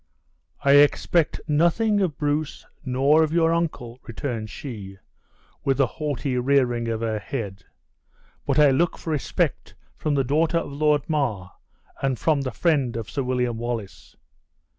"I expect nothing of Bruce, nor of your uncle," returned she, with a haughty rearing of her head; "but I look for respect from the daughter of Lord Mar, and from the friend of Sir William Wallace."